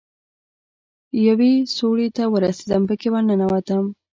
يوې سوړې ته ورسېدم پکښې ورننوتم.